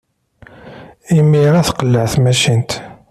Imir-a ara teqleɛ tmacint.